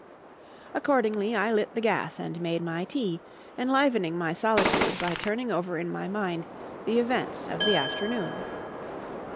Accordingly, I lit the gas and made my tea, enlivening my solitude by turning over in my mind the events of the afternoon.